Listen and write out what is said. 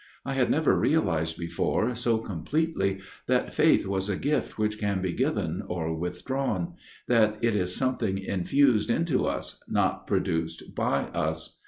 I had never realized before' so completely that faith was a gift which can be given or withdrawn ; that it is something infused into us, not produced by us.